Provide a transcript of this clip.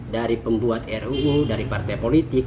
dari pembuat ruu dari partai politik